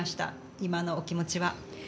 今のお気持ちは？